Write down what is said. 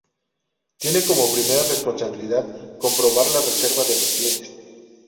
Tiene como primera responsabilidad comprobar la reserva de los clientes.